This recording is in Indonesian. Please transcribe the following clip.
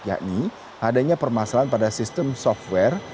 yakni adanya permasalahan pada sistem software